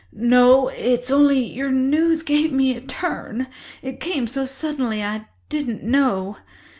"No, it's only your news gave me a turn—it came so suddenly—I didn't know."